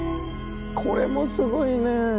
これもすごいねぇ。